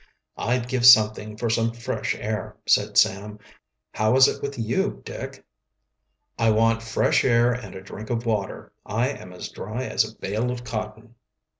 "I'd give something for some fresh air," said Sam. "How is it with you, Dick?" "I want fresh air and a drink of water. I am as dry as a bale of cotton."